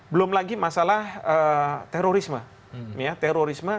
belum lagi masalah terorisme